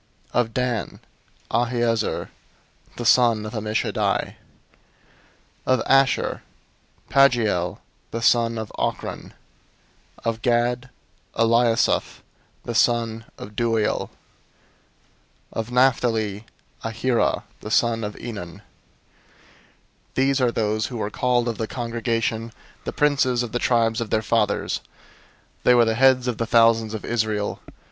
001:012 Of Dan: Ahiezer the son of Ammishaddai. 001:013 Of Asher: Pagiel the son of Ochran. 001:014 Of Gad: Eliasaph the son of Deuel. 001:015 Of Naphtali: Ahira the son of Enan." 001:016 These are those who were called of the congregation, the princes of the tribes of their fathers; they were the heads of the thousands of Israel.